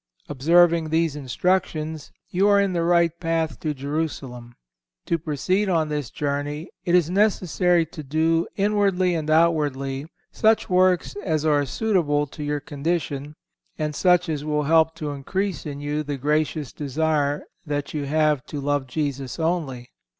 Observing these instructions, you are in the right path to Jerusalem. To proceed on this journey, it is necessary to do, inwardly and outwardly, such works as are suitable to your condition, and such as will help to increase in you the gracious desire that you have to love Jesus only.